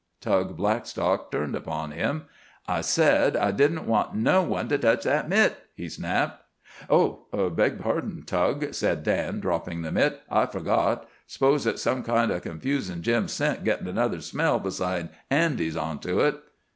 Tug Blackstock turned upon him. "I said I didn't want no one to tech that mitt," he snapped. "Oh, beg pardon, Tug," said Dan, dropping the mitt. "I forgot. 'S'pose it might kind o' confuse Jim's scent, gittin' another smell besides Andy's on to it."